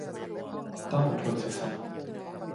ต้องอดทนเสียสละ